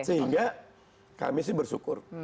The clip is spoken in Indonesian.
sehingga kami sih bersyukur